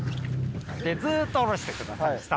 ずーっと下ろしてください下まで。